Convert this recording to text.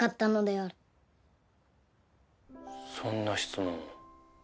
そんな質問を。